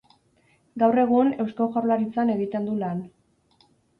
Gaur egun, Eusko Jaurlaritzan egiten du lan.